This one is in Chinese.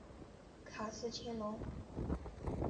卡斯泰龙。